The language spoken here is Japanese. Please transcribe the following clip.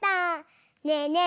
ねえねえ